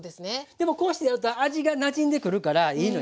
でもこうしてやると味がなじんでくるからいいのよ。